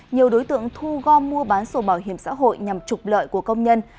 nhiều đối tượng thu gom mua bán sổ bảo hiểm xã hội nhằm trục lợi của công nhân